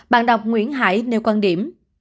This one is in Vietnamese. bạn đọc nguyễn hải nêu quan điểm